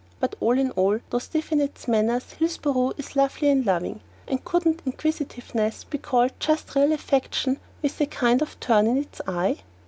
But all in all, though stiff in its manners, Hillsboro is lovely and loving; and couldn't inquisitiveness be called just real affection with a kind of turn in its eye?